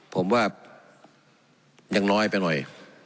ผมว่ายังน้อยไปหน่อย